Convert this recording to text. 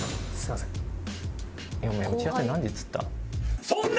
お前打ち合わせ何時っつった？